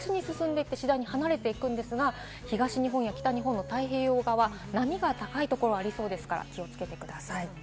このあと東へ進んで、次第に離れていくんですが、東日本、北日本、太平洋側、波の高いところがありそうですから、気をつけてください。